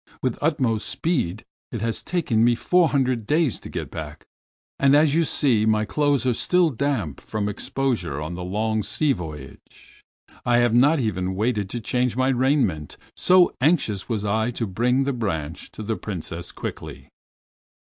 With utmost speed it has taken me four hundred days to get back, and, as you see, my clothes are still damp from exposure on the long sea voyage. I have not even waited to change my raiment, so anxious was I to bring the branch to the Princess quickly."